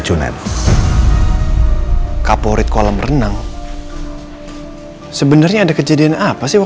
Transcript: kita perubah kita